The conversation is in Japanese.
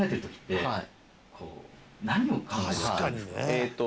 えーっと。